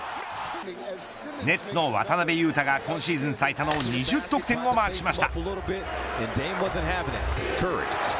ネッツの渡邊雄太が今シーズン最多の２０得点をマークしました。